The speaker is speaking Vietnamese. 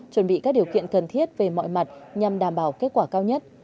chuẩn bị các điều kiện cần thiết về mọi mặt nhằm đảm bảo kết quả cao nhất